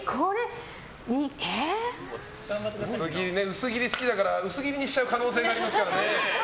薄切り好きだから薄切りにしちゃう可能性ありますからね。